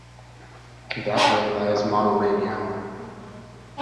That way lies monomania.